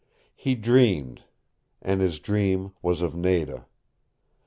He dreamed, and his dream was of Nada.